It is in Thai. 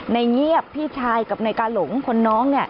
ในเงียบพี่ชายกับไหนกาหลงคนน้อง